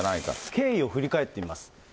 経緯を振り返ってみます。